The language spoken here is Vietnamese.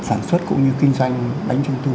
sản xuất cũng như kinh doanh bánh trung tu